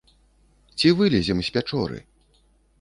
Ці вылезем з пячоры?